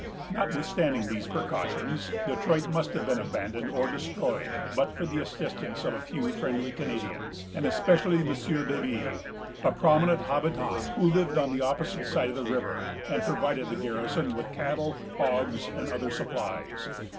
Notwithstanding these precautions Detroit must have been abandoned or destroyed, but for the assistance of a few friendly Canadians, and especially of M. Baby, a prominent habitant, who lived on the opposite side of the river, and provided the garrison with cattle, hogs, and other supplies.